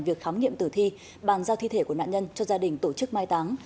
việc khám nghiệm tử thi bàn giao thi thể của nạn nhân cho gia đình tổ chức mai táng